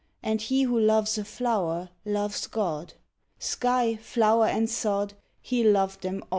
And he who loves a flower, loves God." Sky, flower and sod, he loved them all.